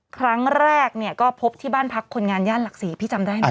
ครั้งแรกเนี่ยก็พบที่บ้านพักคนงานย่านหลักศรีพี่จำได้ไหม